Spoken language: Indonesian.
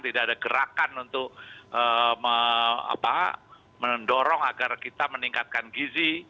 tidak ada gerakan untuk mendorong agar kita meningkatkan gizi